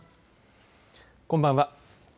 こんばんは。